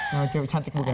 nama cewek cantik bukan